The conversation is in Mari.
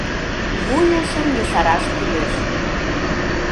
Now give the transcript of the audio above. Вуй ушым ешараш кӱлеш.